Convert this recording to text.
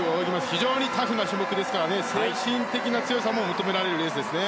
非常にタフな種目ですから精神的な強さも求められるレースですね。